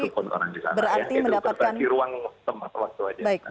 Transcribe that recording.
tak akan masuk pun orang di sana